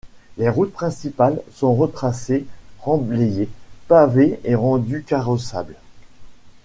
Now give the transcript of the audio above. Les routes principales sont retracées, remblayées, pavées et rendues carrossables.